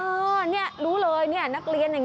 เออเนี่ยรู้เลยเนี่ยนักเรียนอย่างนี้